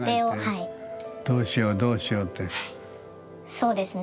そうですね。